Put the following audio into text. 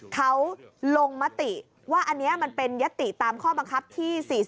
เขาลงมติว่าอันนี้มันเป็นยติตามข้อบังคับที่๔๔